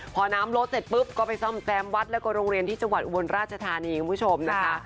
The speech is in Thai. พอน้ำลดเสร็จปุ๊บก็ไปซ่อมแซมวัดแล้วก็โรงเรียนที่จังหวัดอุบลราชธานีคุณผู้ชมนะคะ